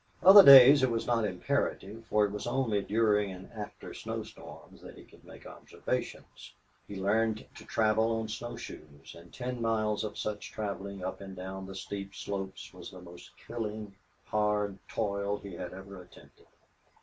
Other days it was not imperative, for it was only during and after snow storms that he could make observations. He learned to travel on snow shoes, and ten miles of such traveling up and down the steep slopes was the most killing hard toil he had ever attempted.